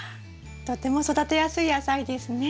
とても育てやすい野菜ですね。